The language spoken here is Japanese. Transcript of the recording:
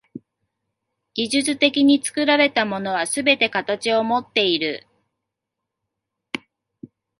技術的に作られたものはすべて形をもっている。